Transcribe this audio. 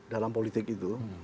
dalam politik itu